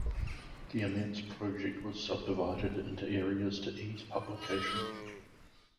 The immense project was sub-divided into areas to ease publication.